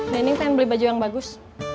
nening pengen beli baju yang bagus